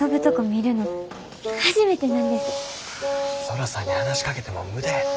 空さんに話しかけても無駄や。